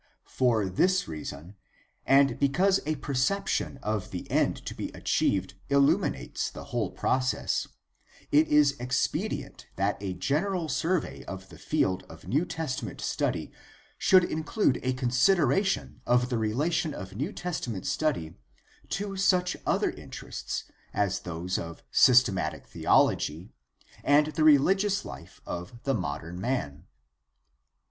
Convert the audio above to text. For this reason, and because a perception of the end to be achieved illuminates the whole process, it is expedient that a general survey of the field of New Testament study should include a consideration of the relation of New Testament study to such other interests as those of systematic theology and the rehgious life of the modern man.